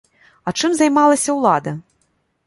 А чым займалася ўлада?